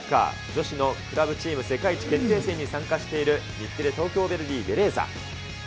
女子のクラブチーム世界一決定戦に参加している日テレ東京ヴェルディ・ベレーザ。